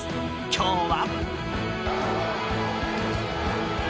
今日は。